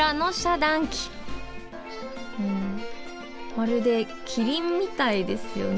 まるでキリンみたいですよね！